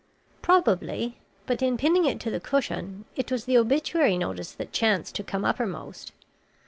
"Probably, but in pinning it to the cushion, it was the obituary notice that chanced to come uppermost.